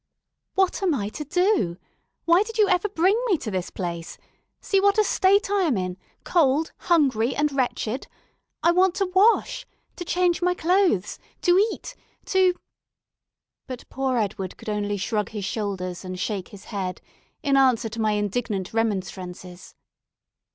"What am I to do? Why did you ever bring me to this place? See what a state I am in cold, hungry, and wretched. I want to wash, to change my clothes, to eat, to " But poor Edward could only shrug his shoulders and shake his head, in answer to my indignant remonstrances.